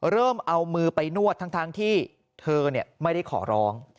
เริ่มเอามือไปนวดทั้งที่เธอไม่ได้ขอร้อง